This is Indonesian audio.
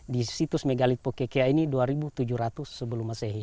di situs megalitik pococoea ini dua ribu tujuh ratus sebelum masehi